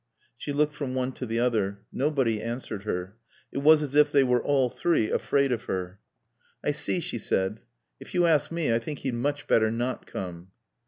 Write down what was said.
She looked from one to the other. Nobody answered her. It was as if they were, all three, afraid of her. "I see," she said. "If you ask me I think he'd much better not come."